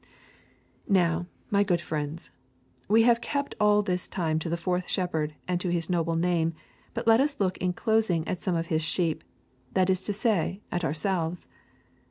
Now, my good friends, we have kept all this time to the fourth shepherd and to his noble name, but let us look in closing at some of his sheep, that is to say, at ourselves.